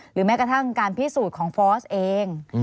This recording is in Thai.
แม้กระทั่งการพิสูจน์ของฟอสเอง